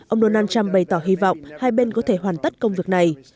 ông donald trump bày tỏ hy vọng hai bên sẽ không có gặp thượng đỉnh